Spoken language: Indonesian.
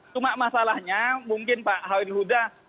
cuma masalahnya mungkin pak hawir huda bisa diberi